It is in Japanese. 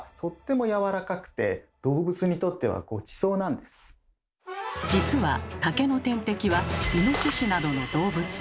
皮をむいた実は竹の天敵はイノシシなどの動物。